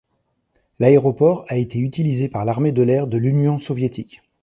L'aéroport a été utilisé par l'armée de l'air de l'Union soviétique.